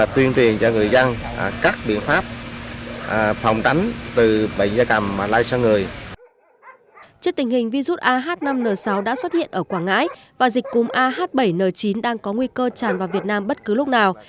trước tình hình virus ah năm n sáu đã xuất hiện ở quảng ngãi và dịch cúm ah bảy n chín đang có nguy cơ tràn vào việt nam bất cứ lúc nào